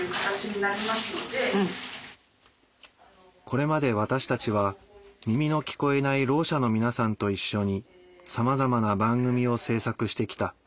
これまで私たちは耳の聞こえないろう者の皆さんと一緒にさまざまな番組を制作してきた。